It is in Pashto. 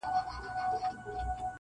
o يو بل نظر وړلاندي کيږي تل,